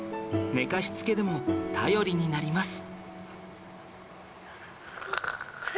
寝かしつけでも頼りになります。